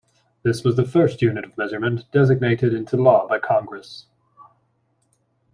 This was the first unit of measurement designated into law by Congress.